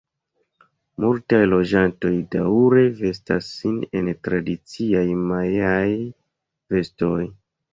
Multaj loĝantoj daŭre vestas sin en tradiciaj majaaj vestoj.